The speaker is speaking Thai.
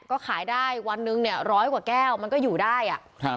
ก็ขายได้วันหนึ่งเนี่ยร้อยกว่าแก้วมันก็อยู่ได้อ่ะครับ